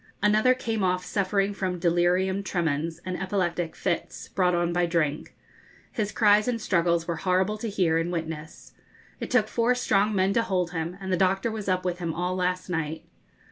Another came off suffering from delirium tremens and epileptic fits, brought on by drink. His cries and struggles were horrible to hear and witness. It took four strong men to hold him, and the doctor was up with him all last night.